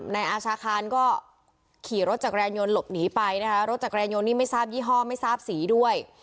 นายอาชาคารก็ขี่รถจักรยานยนต์หลบหนีไปนะคะรถจักรยานยนต์นี่ไม่ทราบยี่ห้อไม่ทราบสีด้วย